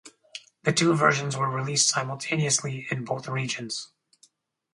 The two versions were released simultaneously in both regions.